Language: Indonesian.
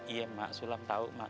iya mak sulam tau mak